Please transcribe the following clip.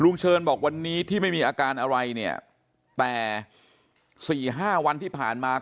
ลุงเชิญบอกวันนี้ที่ไม่มีอาการอะไรแต่๔๕วันที่ผ่านมา